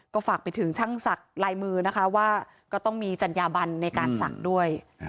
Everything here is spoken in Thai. ก็ฝากไปถึงช่างศักดิ์ลายมือนะคะว่าก็ต้องมีจัญญาบันในการสั่งด้วย